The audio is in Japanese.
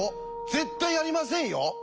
絶対やりませんよ！